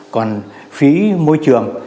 còn phí môi trường